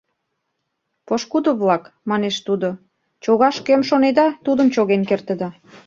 — Пошкудо-влак, — манеш тудо, — чогаш кӧм шонеда, тудым чоген кертыда.